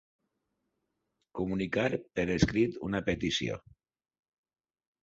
Comunicar per escrit una petició.